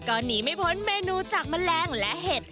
ก็หนีไม่พ้นเมนูจากแมลงและเห็ด